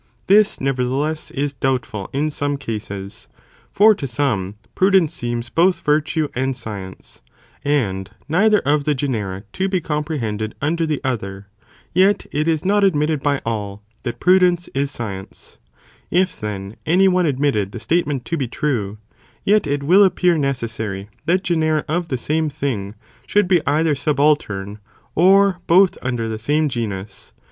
This, nevertheless, is doubtful in some cases, for to some, prudence seems both virtue and science, and neither of the genera to be comprehended under the other, yet it is not admitted by all, that prudence is science; if, then, any one admitted the statement to be true, yet it will appear necessary that genera of the same thing, should be either subaltern, or both under the same genus